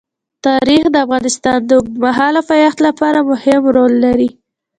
تاریخ د افغانستان د اوږدمهاله پایښت لپاره مهم رول لري.